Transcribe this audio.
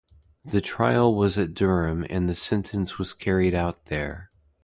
The trial was at Durham and the sentence was carried out there.